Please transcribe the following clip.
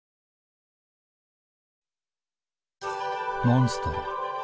モンストロ。